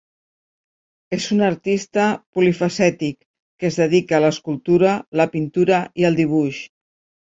És un artista polifacètic que es dedica a l'escultura, la pintura i el dibuix.